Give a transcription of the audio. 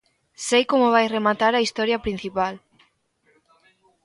Sei como vai rematar a historia principal.